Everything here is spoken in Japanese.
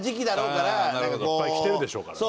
いっぱい来てるでしょうからね。